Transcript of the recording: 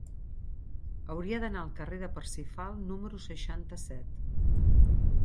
Hauria d'anar al carrer de Parsifal número seixanta-set.